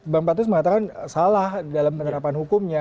bang patus mengatakan salah dalam penerapan hukumnya